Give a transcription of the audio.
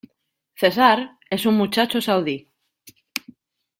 Cesar es un muchacho saudí.